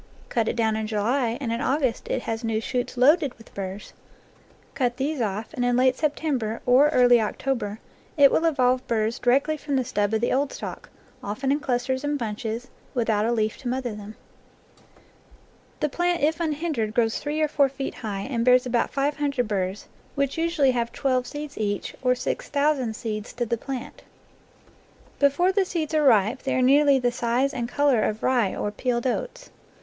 Cut it down in July, and in August it has new shoots loaded with burrs; cut these off, and in late Sep tember, or early October, it will evolve burrs di rectly from the stub of the old stalk, often in clusters and bunches, without a leaf to mother them. The plant if unhindered grows three or four feet high and bears about five hundred burrs, which usu ally have twelve seeds each, or six thousand seeds to the plant. Before the seeds are ripe they are nearly the size and color of rye or peeled oats.